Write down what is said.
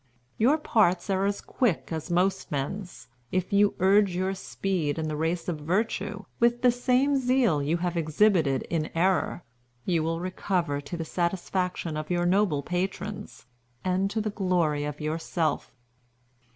Your parts are as quick as most men's. If you urge your speed in the race of virtue with the same zeal you have exhibited in error, you will recover, to the satisfaction of your noble patrons, and to the glory of yourself.